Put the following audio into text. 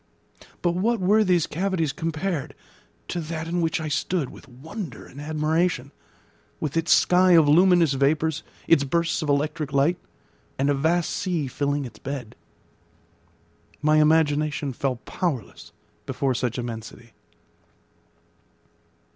But what were these cavities compared to that in which I stood with wonder and admiration, with its sky of luminous vapours, its bursts of electric light, and a vast sea filling its bed? My imagination fell powerless before such immensity.